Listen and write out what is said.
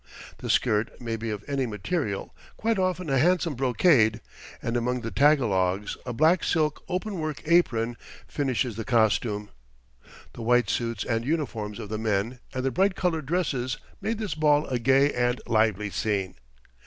The skirt may be of any material, quite often a handsome brocade, and among the Tagalogs a black silk open work apron finishes the costume. The white suits and uniforms of the men and the bright coloured dresses made this ball a gay and lively scene.